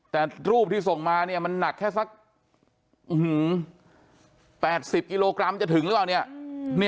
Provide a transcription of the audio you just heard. แต่รูปที่ส่งมามันนักแค่๘๐กิโลกรัม